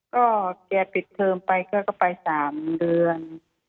ก็แกปิดเทอมไปแกก็ไป๓เดือน